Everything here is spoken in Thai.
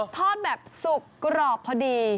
ทอดแบบสุกกรอบพอดี